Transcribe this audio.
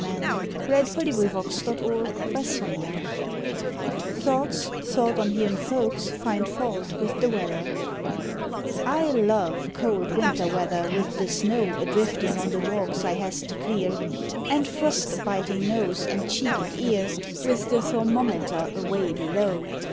48 SONNETS OF A BUDDING BARD THOUGHTS THOUGHT ON HEARIN* FOLKS FIND FAULT WITH THE WEATHER I LOVE cold winter weather with the snow A driftin on the walks I hast to clear, And frost a bitin nose and cheek and ear, With the thermometer "awav below.